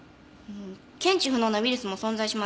検知不能のウイルスも存在します。